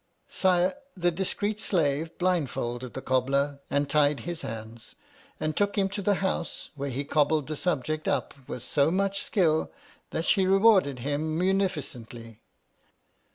Sire, the discreet slave blindfolded the cobbler, and tied his hands, and took him to the House ; where he cobbled the subject up with so much skill, that she rewarded him munificently.